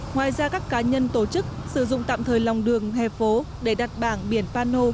ngoài ra các cá nhân tổ chức sử dụng tạm thời lòng đường hè phố để đặt bảng biển pano